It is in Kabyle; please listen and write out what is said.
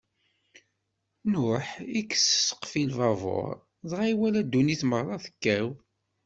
Nuḥ ikkes ssqef i lbabuṛ, dɣa iwala ddunit meṛṛa tekkaw.